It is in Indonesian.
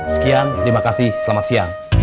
sekian terima kasih selamat siang